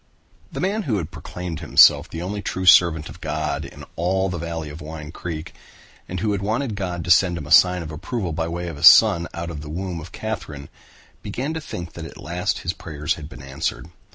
The man who had proclaimed himself the only true servant of God in all the valley of Wine Creek, and who had wanted God to send him a sign of approval by way of a son out of the womb of Katherine, began to think that at last his prayers had been answered.